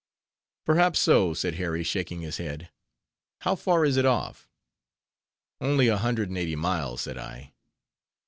"Perhaps so," said Harry, shaking his head. "How far is it off?" "Only a hundred and eighty miles," said I.